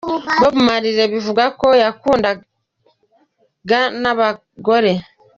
Bob Marley bivugwa ko yakundaga n’abagore.